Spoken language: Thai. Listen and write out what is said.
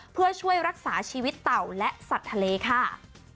เพื่อช่วยรักษาชีวิตเต่าและสัตว์ทะเลค่ะ